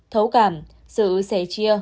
thấu cảm sự sẻ chi